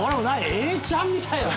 永ちゃんみたいだね！